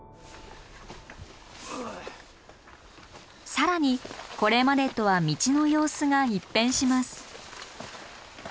更にこれまでとは道の様子が一変します。